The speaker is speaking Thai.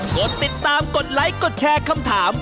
กดติดตามกดไลค์กดแชร์คำถาม